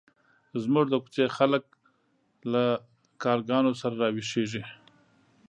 زموږ د کوڅې خلک له کارګانو سره راویښېږي.